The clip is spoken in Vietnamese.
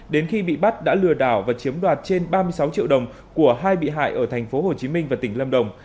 đến khi bị bắt đã lừa đảo và chiếm đoạt trên ba mươi sáu triệu đồng của hai bị hại ở thành phố hồ chí minh và tỉnh lâm đồng